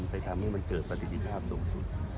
ทำให้มันเกิดประสิทธิภาพสูงสุด